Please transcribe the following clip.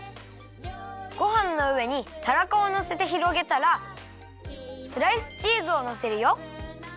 ごはんのうえにたらこをのせてひろげたらスライスチーズをのせるよ。